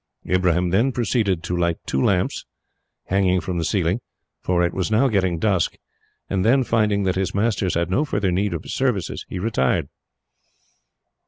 Ibrahim then proceeded to light two lamps, hanging from the ceiling, for it was now getting dusk; and then, finding that his masters had no further need of his services, he retired.